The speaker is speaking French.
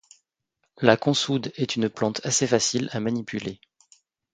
La consoude est une plante assez facile à multiplier.